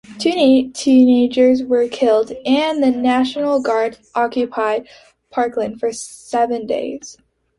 Two teenagers were killed, and the National Guard occupied Parkland for seven days.